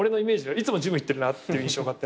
いつもジム行ってるなっていう印象があって。